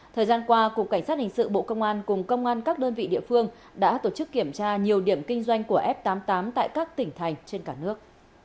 thời gian qua cục cảnh sát hình sự bộ công an cùng công an các đơn vị địa phương đã tổ chức kiểm tra nhiều điểm kinh doanh của f tám mươi tám tại các tỉnh thành trên cả nước